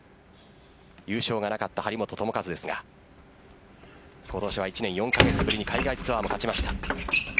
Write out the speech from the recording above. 優勝がなかった張本智和ですが今年は１年４カ月ぶりに海外ツアーも勝ちました。